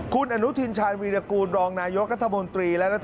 คุณอนุทินชาญบริรากูลรองนายกัฎมนตรีและ